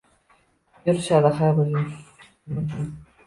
Yurishadi xar bir yumushim